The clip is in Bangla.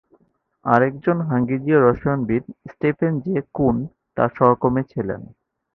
আরেকজন হাঙ্গেরীয় রসায়নবিদ স্টিফেন জে কুন তার সহকর্মী ছিলেন।